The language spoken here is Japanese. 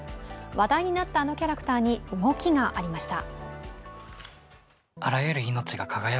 話題になった、あのキャラクターに動きがありました。